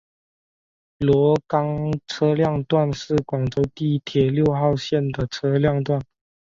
萝岗车辆段是广州地铁六号线的车辆段。